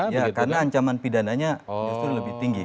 ya karena ancaman pidananya justru lebih tinggi